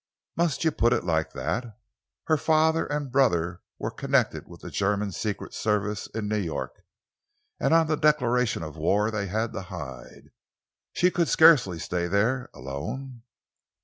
"Must you put it like that? Her father and brother were connected with the German Secret Service in New York, and on the declaration of war they had to hide. She could scarcely stay there alone."